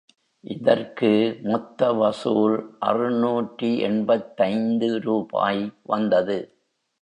இதற்கு மொத்த வசூல் அறுநூற்று எண்பத்தைந்து ரூபாய் வந்தது.